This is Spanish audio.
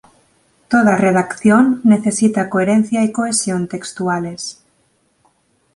Toda redacción necesita coherencia y cohesión textuales.